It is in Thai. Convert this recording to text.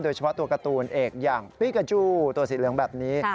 โดยเฉพาะตัวการ์ตูนเอกอย่างปีกาจูตัวสีเหลืองแบบนี้